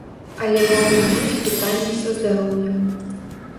Але могуць быць пытанні са здароўем.